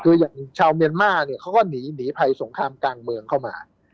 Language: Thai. คืออย่างชาวเมียนมาร์เนี่ยเขาก็หนีหนีภัยสงครามกลางเมืองเข้ามา